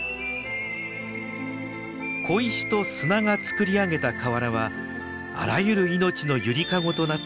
小石と砂が作り上げた河原はあらゆる命の揺りかごとなっています。